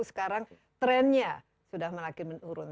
sekarang trennya sudah melaki menurun